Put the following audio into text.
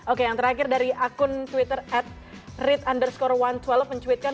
oke yang terakhir dari akun twitter at read underscore satu ratus dua puluh mencuitkan